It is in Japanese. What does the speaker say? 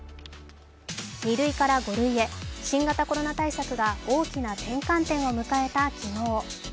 ２類から５類へ、新型コロナ対策が大きな転換点を迎えた昨日。